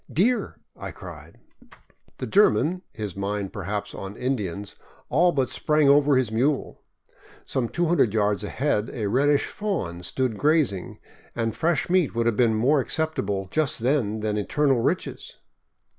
"Deer!" I cried. The German, his mind perhaps on Indians, all but sprang over his mule. Some two hundred yards ahead a reddish fawn stood grazing, and fresh meat would have been more acceptable just then than eternal riches.